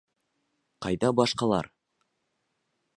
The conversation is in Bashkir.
Ҡайҙа башҡалар?